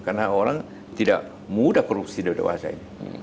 karena orang tidak mudah korupsi dari dewasa ini